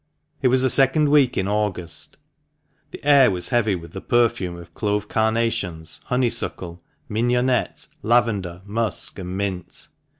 It was the second week in August ; the air was heavy with the perfume of clove carnations, honeysuckle, mignonette, lavender, musk, and mint.